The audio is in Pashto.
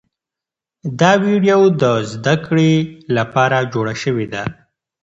دا ویډیو د زده کړې لپاره جوړه شوې ده.